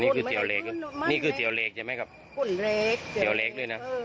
อ๋อนี่คือเตี๋ยวเล็กนี่คือเตี๋ยวเล็กใช่ไหมครับคุณเล็กเตี๋ยวเล็กเลยน่ะ